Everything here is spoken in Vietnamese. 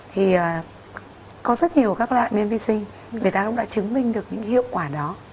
thì có rất nhiều các loại men vi sinh người ta cũng đã chứng minh được những hiệu quả đó